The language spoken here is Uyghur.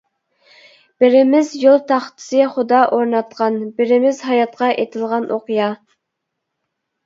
بېرىمىز يول تاختىسى خۇدا ئورناتقان، بېرىمىز ھاياتقا ئېتىلغان ئوقيا.